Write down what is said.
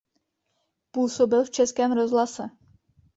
Působil v Českém rozhlase.